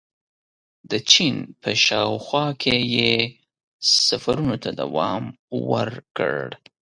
• د چین په شاوخوا کې یې سفرونو ته دوام ورکړ.